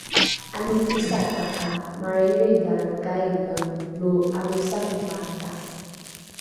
’anokisata ’a mariiridharekaine lo ’anosangepareta?